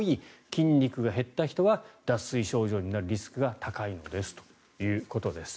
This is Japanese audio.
筋肉が減った人は脱水症状になるリスクが高いんですということです。